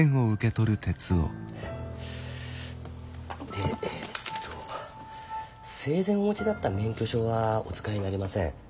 でえっと生前お持ちだった免許証はお使いになれません。